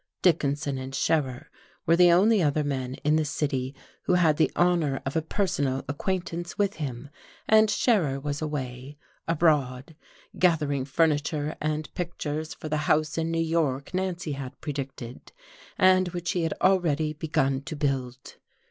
Dickinson and Scherer were the only other men in the city who had the honour of a personal acquaintance with him, and Scherer was away, abroad, gathering furniture and pictures for the house in New York Nancy had predicted, and which he had already begun to build!